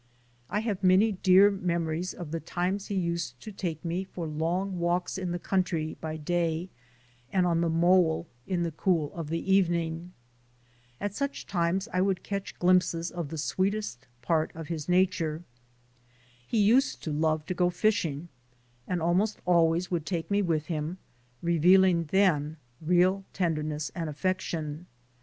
I have very dear memories of the times he used to take me for long walks in the country by day and on the mole in the cool of the evening. At such times I would catch glimpses of the sweetest part of his nature. He used to love to go fishing, and almost always would take me with him, revealing then real tenderness and affection.